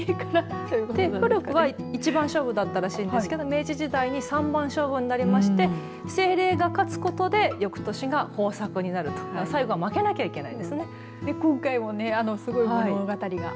古くは１番勝負だったらしいんですけど、明治時代に３番勝負になりまして精霊が勝つことで翌年、豊作になると最後は負けなきゃいけないですね。